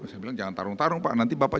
jadi sebenarnya enggak